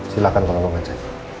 silahkan tolong aja